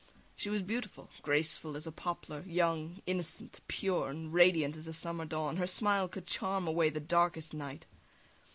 She was beautiful, graceful as a poplar, young, innocent, pure, and radiant as a summer dawn. Her smile could charm away the darkest night.